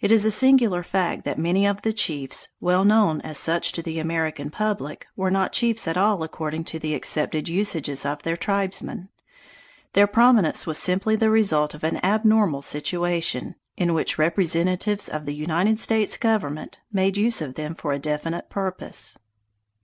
It is a singular fact that many of the "chiefs", well known as such to the American public, were not chiefs at all according to the accepted usages of their tribesmen. Their prominence was simply the result of an abnormal situation, in which representatives of the United States Government made use of them for a definite purpose.